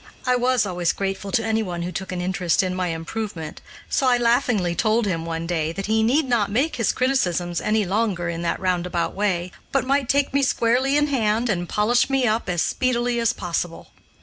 I was always grateful to anyone who took an interest in my improvement, so I laughingly told him, one day, that he need not make his criticisms any longer in that roundabout way, but might take me squarely in hand and polish me up as speedily as possible.